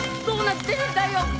どうなってるんだよ！